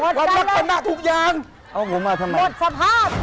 อักษระทุกอย่างหมดสะพาบ